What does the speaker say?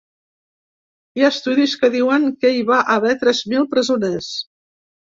Hi ha estudis que diuen que hi va haver tres mil presoners.